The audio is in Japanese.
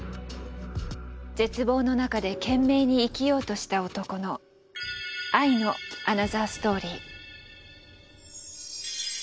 絶望の中で懸命に生きようとした男の愛のアナザーストーリー。